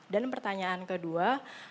dan pertanyaan kedua